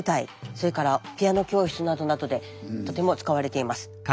それからピアノ教室などなどでとても使われています。